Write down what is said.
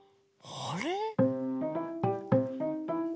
あれ？